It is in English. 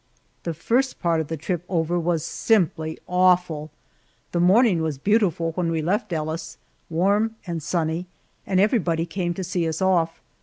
The first part of the trip over was simply awful! The morning was beautiful when we left Ellis warm and sunny and everybody came to see us oft.